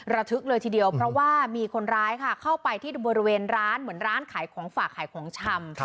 ระทึกเลยทีเดียวเพราะว่ามีคนร้ายค่ะเข้าไปที่บริเวณร้านเหมือนร้านขายของฝากขายของชำ